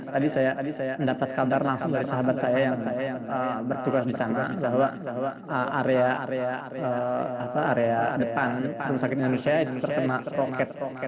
tadi saya mendapat kabar langsung dari sahabat saya yang bertugas di sana bahwa area depan rumah sakit indonesia terkena roket roket